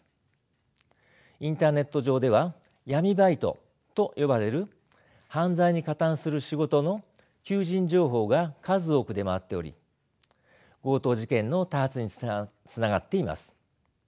インターネット上では闇バイトと呼ばれる犯罪に加担する仕事の求人情報が数多く出回っており強盗事件の多発につながっています。